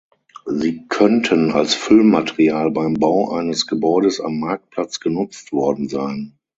Sie könnten als Füllmaterial beim Bau eines Gebäudes am Marktplatz genutzt worden sein.